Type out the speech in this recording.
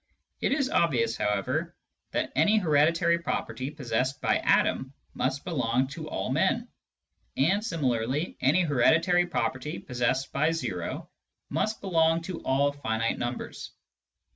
It is obvious, however, that any hereditary property possessed by Adam must belong to all men ; and similarly any hereditary property possessed by o must belong to all finite numbers.